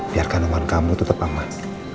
biarkan uman kamu tetep aman